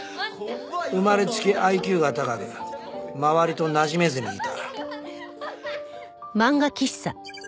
生まれつきＩＱが高く周りとなじめずにいた。